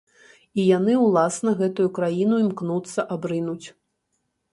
І яны ўласна гэтую краіну імкнуцца абрынуць.